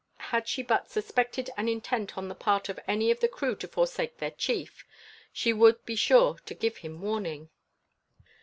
Had she but suspected an intent on the part of any of the crew to forsake their chief, she would be sure to give him warning.